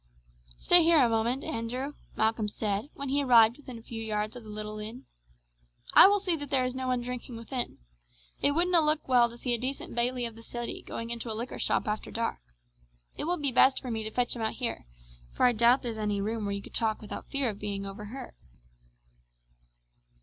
"Stay here a moment, Andrew," Malcolm said when he arrived within a few yards of the little inn. "I will see that there is no one drinking within. It wouldna look well to see a decent bailie of the city going into a liquor shop after dark. It will be best for me to fetch him out here, for I doubt there's any room where you could talk without fear of being overheard."